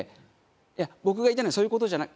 いや僕が言いたいのはそういう事じゃない。